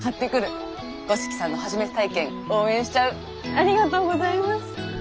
ありがとうございます。